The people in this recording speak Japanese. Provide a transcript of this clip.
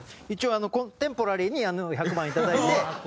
一応テンポラリーに１００番いただいて。